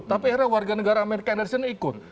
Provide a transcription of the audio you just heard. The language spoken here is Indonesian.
tapi akhirnya warga negara amerika dari sana ikut